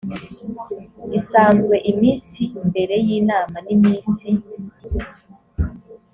isanzwe iminsi mbere y inama n iminsi